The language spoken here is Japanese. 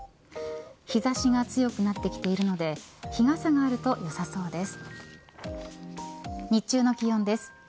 日差しが強くなってきているので日傘があると良さそうです。